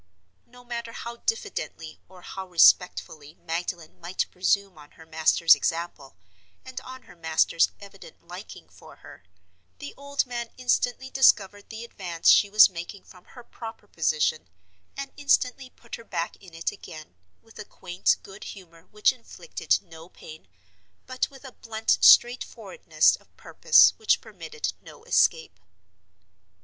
No matter how diffidently or how respectfully Magdalen might presume on her master's example, and on her master's evident liking for her, the old man instantly discovered the advance she was making from her proper position, and instantly put her back in it again, with a quaint good humor which inflicted no pain, but with a blunt straightforwardness of purpose which permitted no escape.